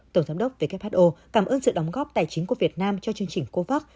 tổng giám đốc who cảm ơn sự đóng góp tài chính của việt nam cho chương trình covax